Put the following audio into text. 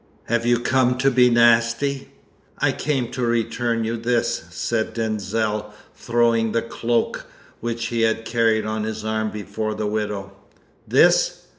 Have you come to be nasty?" "I came to return you this," said Denzil, throwing the cloak which he had carried on his arm before the widow. "This?"